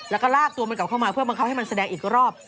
แล้วก็ลากตัวมันกลับเข้ามาเพื่อบังคับให้มันแสดงอีกรอบ